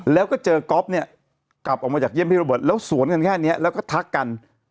แล้วก็เจอก๊อฟเนี่ยกลับออกมาจากเยี่ยมพี่โรเบิร์ตแล้วสวนกันแค่นี้แล้วก็ทักกัน